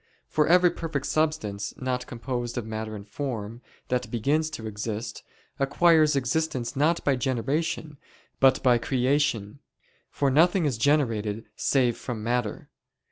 For every perfect substance, not composed of matter and form, that begins to exist, acquires existence not by generation, but by creation: for nothing is generated save from matter.